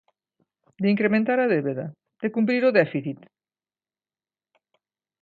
¿De incrementar a débeda?, ¿de cumprir o déficit?